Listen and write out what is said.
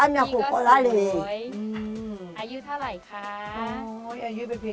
อ๋ออายุเป็นเพลงตัวเล่น